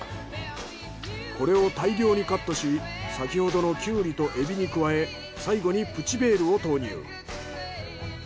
これを大量にカットし先ほどのキュウリとエビに加え最後にプチヴェールを投入。